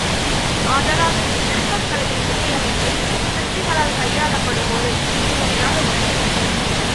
ஆதலால் சிற்பக் கலையின் மிகை அமைப்பு, சிற்பிகளால் கையாளப்படும் ஒரு இன்றியமையாத உத்தி.